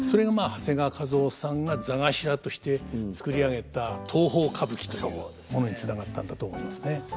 長谷川一夫さんが座頭として作り上げた東宝歌舞伎というものにつながったんだと思いますね。